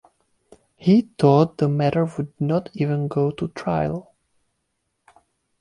He thought the matter would not even go to trial.